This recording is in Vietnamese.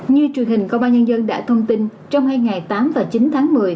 như truyền hình công an nhân dân đã thông tin trong hai ngày tám và chín tháng một mươi